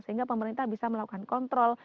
sehingga pemerintah bisa melakukan kontrol